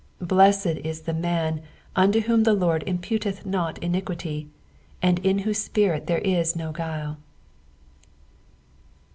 2 Blessed is the man unto whom the LORD imputeth not iniquity, and in whose spirit there is no guile.